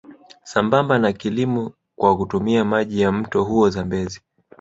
Sambamba na kilimo kwa kutumia maji ya mto huo Zambezi